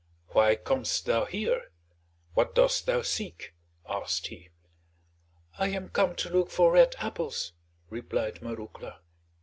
"Why com'st thou here? What dost thou seek?" asked he. "I am come to look for red apples," replied Marouckla.